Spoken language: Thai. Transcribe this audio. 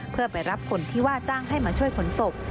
เพื่อไปรับคนที่ว่าจ้างให้มาช่วยขนศพ